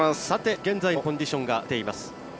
現在のコンディションが出ています。